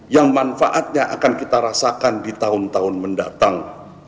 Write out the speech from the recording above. yang manfaatnya akan kita rasakan di tahun tahun mendatang